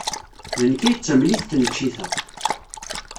D nekk ay d tamlit n tneččit-a.